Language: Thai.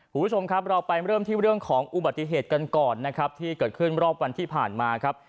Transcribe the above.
คุณผู้ชมครับเราไปเริ่มที่เรื่องของอุบัติเหตุกันก่อนนะครับที่เกิดขึ้นรอบวันที่ผ่านมาครับ